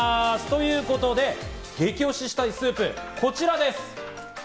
ということで激推ししたいスープ、こちらです。